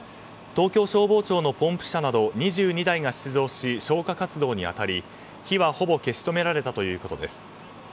東京消防庁のポンプ車など２２台が出動し消火活動に当たり火は、ほぼ消し止められたということです。